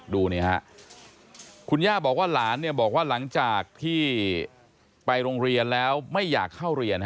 นี่ฮะคุณย่าบอกว่าหลานบอกว่าหลังจากที่ไปโรงเรียนแล้วไม่อยากเข้าเรียน